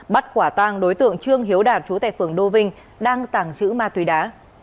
bắt quả tang đối tượng trương hiếu đạt chú tại phường đô vinh đang tàng trữ ma túy đá